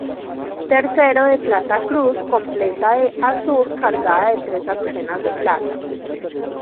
Tercero de plata cruz completa de azur cargada de tres azucenas de plata.